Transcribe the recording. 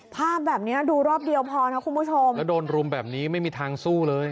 ภาพแบบนี้ดูรอบเดียวพอนะคุณผู้ชมแล้วโดนรุมแบบนี้ไม่มีทางสู้เลย